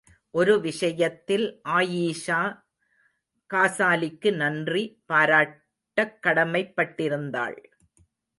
ஒரு விஷயத்தில் ஆயீஷா காசாலிக்கு நன்றி பாராட்டக் கடமைப் பட்டிருந்தாள்.